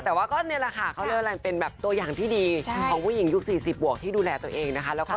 ใช่นี่คือตัวแม่ไอดอลยุคนั้นเหมือนกันค่ะ